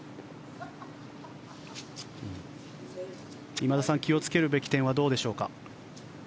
今田さん、気をつけるべき点はどうでしょうか。